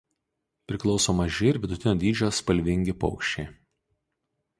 Priklauso maži ir vidutinio dydžio spalvingi paukščiai.